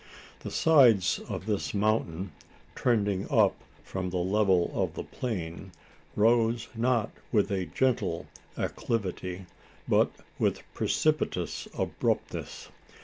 The sides of this mountain, trending up from the level of the plain, rose not with a gentle acclivity, but with precipitous abruptness.